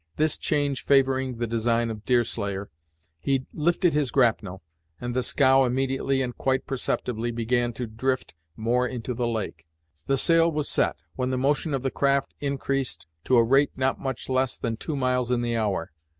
This change favoring the design of Deerslayer, he lifted his grapnel, and the scow immediately and quite perceptibly began to drift more into the lake. The sail was set, when the motion of the craft increased to a rate not much less than two miles in the hour.